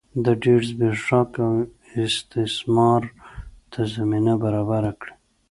د ډېر زبېښاک او استثمار ته زمینه برابره کړي.